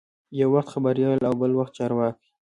یو وخت خبریال او بل وخت چارواکی.